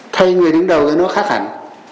thay người đứng đầu thì nó khác hẳn